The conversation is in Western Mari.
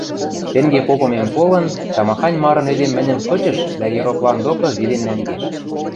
Тенге попымем колын, тамахань марын эдем мӹньӹм кычыш дӓ ероплан докы виден нӓнгеш.